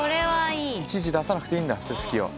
いちいち出さなくていいんだセスキを。